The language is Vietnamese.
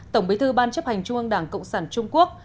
tổng bí thư ban chấp hành trung ương đảng cộng sản trung quốc